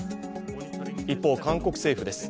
一方で、韓国政府です。